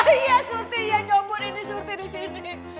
iya surti iya nyomot ini surti disini